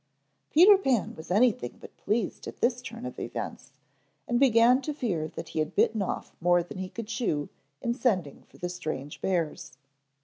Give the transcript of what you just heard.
Peter Pan was anything but pleased at this turn of events, and began to fear that he had bitten off more than he could chew in sending for the strange bears.